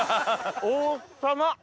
王様！